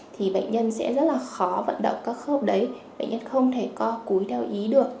thì bệnh nhân sẽ rất là khó vận động các khớp đấy bệnh nhân không thể co cúi theo ý được